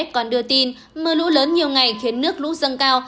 còn đưa tin mưa lũ lớn nhiều ngày khiến nước lũ dâng cao